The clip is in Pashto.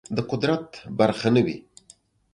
د قدرت برخه نه وي